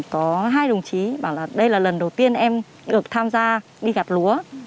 có hai đồng chí bảo là đây là lần đầu tiên em được tham gia đi gặt lúa